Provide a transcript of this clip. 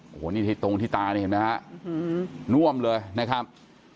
โหนี่ตรงที่ตานี่เห็นมั้ยฮะน่วมเลยนะครับ